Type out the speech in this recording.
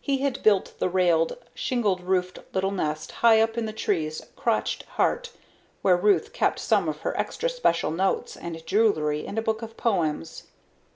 He had built the railed, shingled roofed little nest high up in the tree's crotched heart where Ruth kept some of her extra special notes and jewelry and a book of poems.